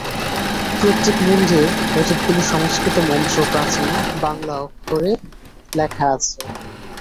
প্রত্যেক মন্দির কতকগুলি সংস্কৃত মন্ত্র প্রাচীন বাঙলা অক্ষরে লেখা আছে।